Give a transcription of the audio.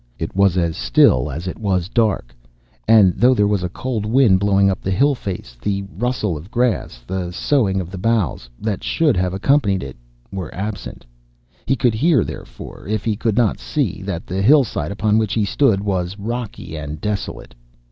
It was as still as it was dark, and though there was a cold wind blowing up the hill face, the rustle of grass, the soughing of the boughs that should have accompanied it, were absent. He could hear, therefore, if he could not see, that the hillside upon which he stood was rocky and desolate.